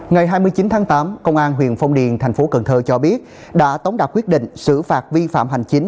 ngày hai mươi chín tháng tám công an huyện phong điền thành phố cần thơ cho biết đã tống đạt quyết định xử phạt vi phạm hành chính